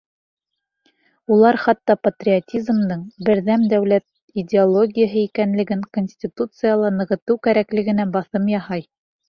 Улар хатта патриотизмдың берҙәм дәүләт идеологияһы икәнлеген Конституцияла нығытыу кәрәклегенә баҫым яһай.